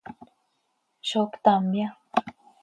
¿Zó ctamya?